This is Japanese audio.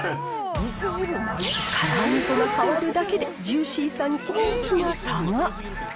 から揚げ粉が変わるだけで、ジューシーさに大きな差が。